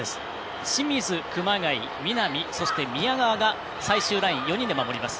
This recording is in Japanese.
清水、熊谷南、宮川が最終ラインを４人で守ります。